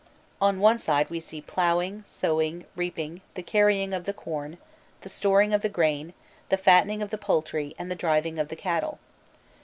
On one side we see ploughing, sowing, reaping, the carrying of the corn, the storing of the grain, the fattening of the poultry, and the driving of the cattle.